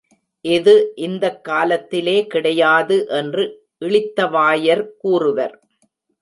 இது இந்தக் காலத்திலே கிடையாது என்று இளித்தவாயர் கூறுவர்.